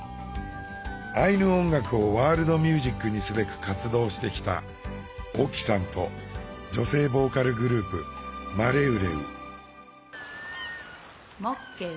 アイヌ音楽をワールドミュージックにすべく活動してきたＯＫＩさんと女性ボーカルグループマレウレウ。